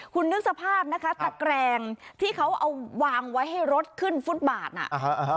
คุณนึกสภาพนะคะตะแกรงที่เขาเอาวางไว้ให้รถขึ้นฟุตบาทน่ะ